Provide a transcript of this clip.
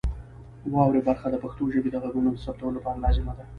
واورئ برخه د پښتو ژبې د غږونو د ثبتولو لپاره لازمه ده.